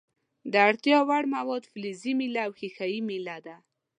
د اړتیا وړ مواد فلزي میله او ښيښه یي میله ده.